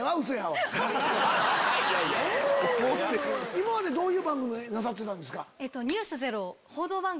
今までどういう番組なさってたんですか？